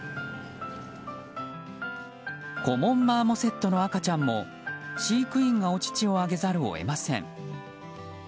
コモンマーモセットの赤ちゃんも飼育員がお乳をあげざるを得ません。